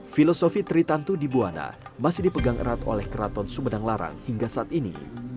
filosofi tritantu di buwana masih dipegang erat oleh keraton sumedang larang hingga saat ini